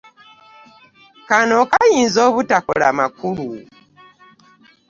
Kano kayinza obutakola makulu.